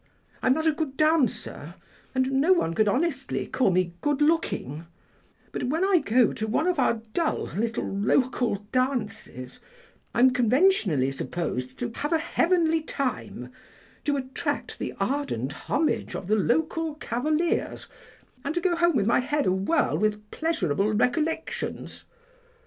I'm not a good dancer, and no one could honestly call me good looking, but when I go to one of our dull little local dances I'm conventionally supposed to 'have a heavenly time,' to attract the ardent homage of the local cavaliers, and to go home with my head awhirl with pleasurable recollections.